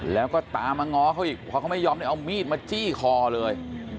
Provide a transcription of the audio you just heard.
แล้วก็ตามมาง้อเขาอีกพอเขาไม่ยอมเนี่ยเอามีดมาจี้คอเลย